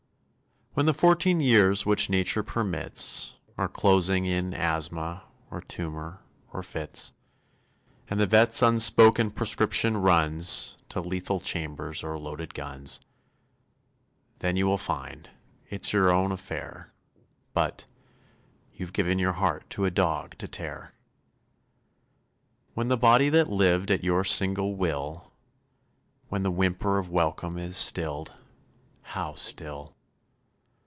When the fourteen years which Nature permits Are closing in asthma, or tumour, or fits, And the vet's unspoken prescription runs To lethal chambers or loaded guns, Then you will find it's your own affair But... you've given your heart to a dog to tear. When the body that lived at your single will When the whimper of welcome is stilled (how still!)